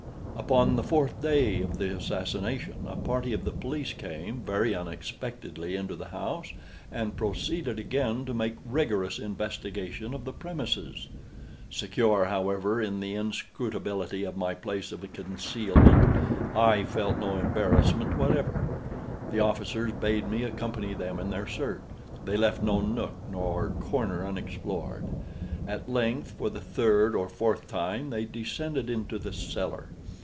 Upon the fourth day of the assassination, a party of the police came, very unexpectedly, into the house, and proceeded again to make rigorous investigation of the premises. Secure, however, in the inscrutability of my place of concealment, I felt no embarrassment whatever. The officers bade me accompany them in their search. They left no nook or corner unexplored. At length, for the third or fourth time, they descended into the cellar.